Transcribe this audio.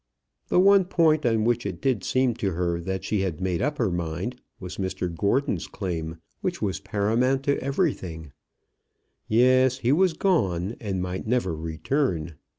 The one point on which it did seem to her that she had made up her mind was Mr Gordon's claim, which was paramount to everything. Yes; he was gone, and might never return.